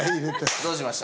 どうしました？